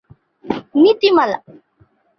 নীতিমালা